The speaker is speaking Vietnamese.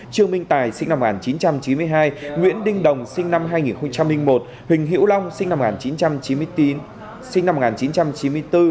trương minh tài sinh năm một nghìn chín trăm chín mươi hai nguyễn đinh đồng sinh năm hai nghìn một huỳnh hữu long sinh năm một nghìn chín trăm chín mươi bốn